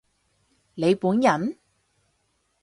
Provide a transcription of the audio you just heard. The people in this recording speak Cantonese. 你本人？